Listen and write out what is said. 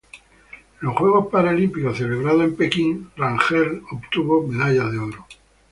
En los Juegos Paralímpicos celebrados en Beijing, Rangel obtuvo medalla de oro.